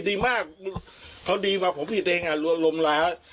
ดีมากเขาดีมากผมพี่เต้งลมแล้ว